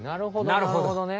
なるほどね。